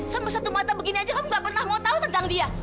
sama satu mata begini aja kamu gak pernah mau tahu tentang dia